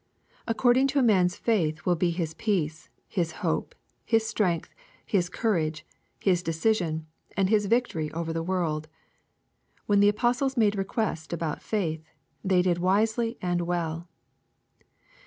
Ac cording to a man's faith will be his peace, his hope, his strength, his courage, his decision, and his victory over the world. When the apostles made request about faith, they did wisely and well.